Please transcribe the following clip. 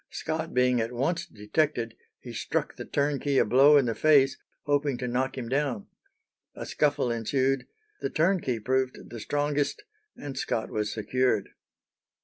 Scott being at once detected, he struck the turnkey a blow in the face, hoping to knock him down. A scuffle ensued, the turnkey proved the strongest, and Scott was secured.